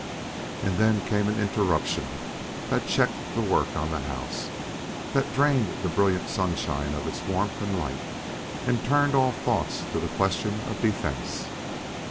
And then came an interruption that checked the work on the house, that drained the brilliant sunshine of its warmth and light, and turned all thoughts to the question of defense.